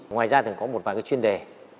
ngoài ra thường có một vài cái chuyên đề